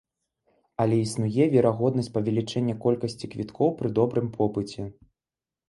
Але існуе верагоднасць павелічэння колькасці квіткоў пры добрым попыце.